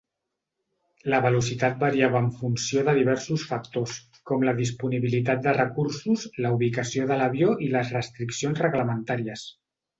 La velocitat variava en funció de diversos factors, com la disponibilitat de recursos, la ubicació de l'avió i les restriccions reglamentàries.